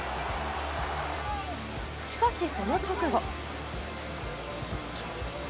しかし、その直後。